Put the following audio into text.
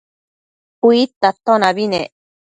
Uidta atonabi nec